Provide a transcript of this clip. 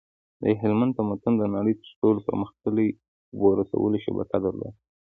د هلمند تمدن د نړۍ تر ټولو پرمختللی د اوبو رسولو شبکه درلوده